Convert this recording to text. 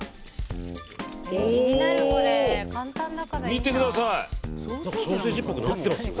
見てください。